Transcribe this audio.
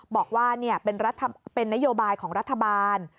บอกว่าเป็นนโยบายของรัฐบาล